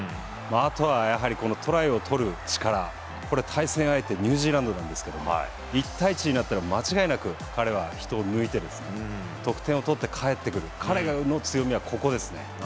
あとはやはりこのトライを取る力、これ対戦相手、ニュージーランドなんですけど、１対１になったら間違いなく、彼は人を抜いて、得点を取って帰ってくる、彼の強みはここですね。